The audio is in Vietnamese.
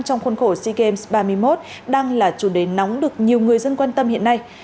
trong khuôn khổ sea games ba mươi một đang là chủ đề nóng được nhiều người dân quan tâm hiện nay